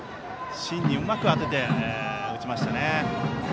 芯にうまく当てて打ちましたね。